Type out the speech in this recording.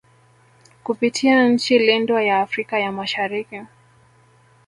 Kupitia nchi lindwa ya Afrika ya mashariki